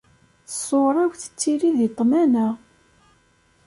Ṣṣura-w tettili di ṭṭmana.